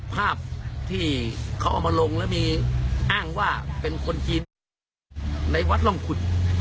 ภาพที่เขาเอามาลงแล้วมีอ้างว่าเป็นคนจีนในวัดร่องขุด